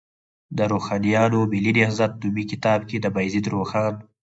د روښانیانو ملي نهضت نومي کتاب کې، د بایزید روښان